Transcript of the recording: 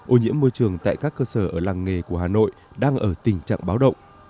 ô nhiễm môi trường tại các cơ sở ở làng nghề của hà nội đang ở tình trạng báo động